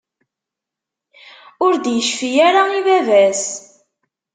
Ur d-yecfi ara i baba-s.